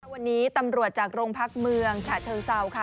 วันนี้ตำรวจจากโรงพักเมืองฉะเชิงเซาค่ะ